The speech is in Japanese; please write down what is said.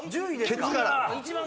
ケツから。